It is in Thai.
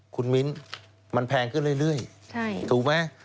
คุณมิ้นมันแพงขึ้นเรื่อยถูกไหม